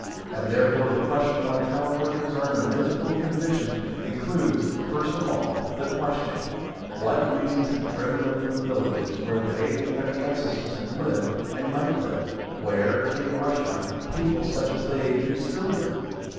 And therefore the question why town workers THE FACTORY SYSTEM 45 are in a miserable condition, includes, first of all, the question : what reasons have driven them from the villages, where they and their ancestors have lived and might live; where, in Eussia, people such as they do still live